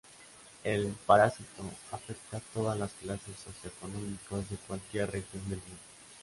El parásito afecta a todas las clases socioeconómicas de cualquier región del mundo.